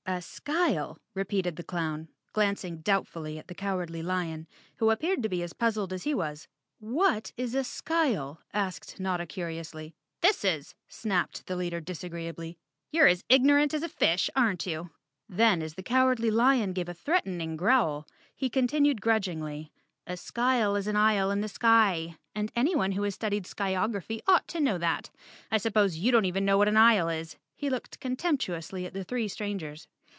"A skyle?" repeated the clown, glancing doubtfully at the Cowardly Lion, who appeared to be as puzzled as he was. "What is a skyle?" asked Notta curiously. " This is," snapped the leader disagreeably. " You're as ignorant as a fish, aren't you?" Then as the Cow¬ ardly Lion gave a threatening growl he continued grudgingly, "A skyle is an isle in the sky, and anyone who has studied skyography ought to know that. I suppose you don't even know what an isle is?" He looked contemptuously at the three strangers.